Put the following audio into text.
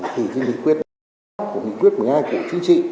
thì nghị quyết một mươi hai cụ chính trị